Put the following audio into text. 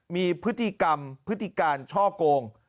มีพฤติกรรมพฤติการช่อโกง